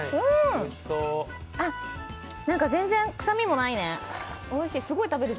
あっ、全然臭みもないね。